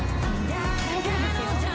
大丈夫ですよはい。